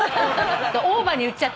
オーバーに言っちゃったりして。